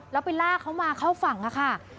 แล้วไปลากเขามาเข้าฝั่งค่ะ